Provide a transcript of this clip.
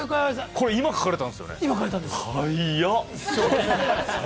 これ今、書かれたんですよね？